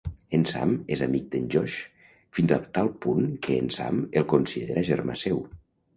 En Sam és amic d'en Josh, fins a tal punt que en Sam el considera germà seu.